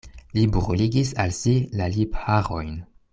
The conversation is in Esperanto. Li bruligis al si la lipharojn.